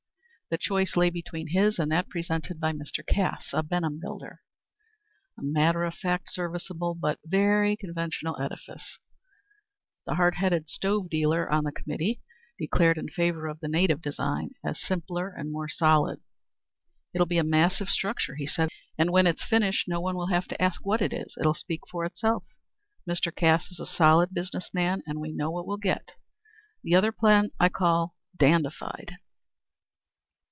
The choice lay between his and that presented by Mr. Cass, a Benham builder a matter of fact, serviceable, but very conventional edifice. The hard headed stove dealer on the committee declared in favor of the native design, as simpler and more solid. "It'll be a massive structure" he said, "and when it's finished no one will have to ask what it is. It'll speak for itself. Mr. Cass is a solid business man, and we know what we'll get. The other plan is what I call dandified."